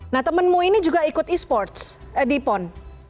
nah temenmu ini juga ikut e sports di pon